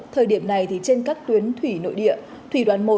thời điểm này trên các tuyến thủy nội địa thủy đoàn một